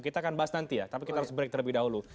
kita akan bahas nanti ya tapi kita harus break terlebih dahulu